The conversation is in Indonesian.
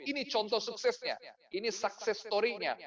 ini contoh suksesnya ini sukses story nya